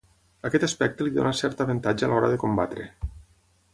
Aquest aspecte li dóna cert avantatge a l'hora de combatre.